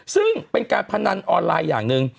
ซึ่งเป็นการพนันออนไลน์อย่างหนึ่ง